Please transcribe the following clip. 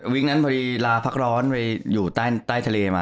ซักสัปครอยภาคร้อนอยู่ใต้ทะเลมา